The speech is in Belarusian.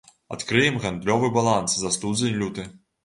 Адкрыем гандлёвы баланс за студзень-люты.